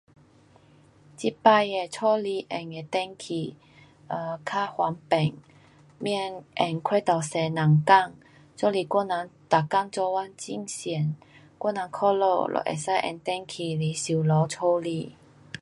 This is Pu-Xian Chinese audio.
这次的家里用的电器，呃，较方便，免用过头多人工，因此是我人每天这个很厌，我人回家就能够用电器来收拾家里。